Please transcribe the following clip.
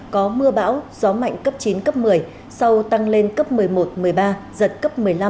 có mưa bão gió mạnh cấp chín cấp một mươi sau tăng lên cấp một mươi một một mươi ba giật cấp một mươi năm